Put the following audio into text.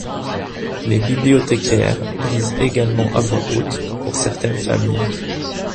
Les bibliothécaires lisent également à voix haute pour certaines familles.